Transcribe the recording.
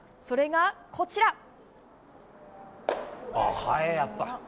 それが、こちら。